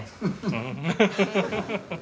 フフフフ。